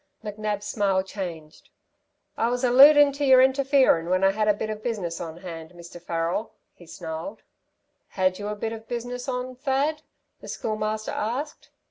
McNab's smile changed. "I was alludin' to your interferin' when I had a bit of business on hand, Mr. Farrel," he snarled. "Had you a bit of business on, Thad?" the Schoolmaster asked.